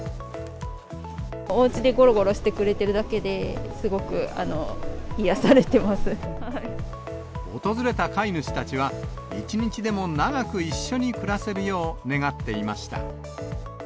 おうちでごろごろしてくれて訪れた飼い主たちは、一日でも長く一緒に暮らせるよう願っていました。